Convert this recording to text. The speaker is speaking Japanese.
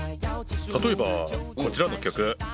例えばこちらの曲。